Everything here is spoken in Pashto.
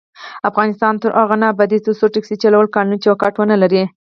افغانستان تر هغو نه ابادیږي، ترڅو ټکسي چلول قانوني چوکاټ ونه لري.